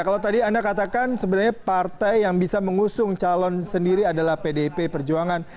kalau tadi anda katakan sebenarnya partai yang bisa mengusung calon sendiri adalah pdip perjuangan